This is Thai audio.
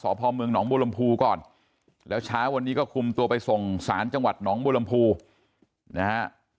สพมหนองบูรมภูก่อนแล้วช้าวันนี้ก็คุมตัวไปส่งสารจังหวัดหนองบูรมภูนะฮะ